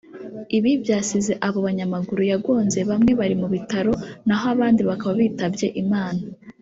Ibi byasize abo banyamaguru yagonze bamwe bari mu bitaro naho abandi bakaba bitabye Imana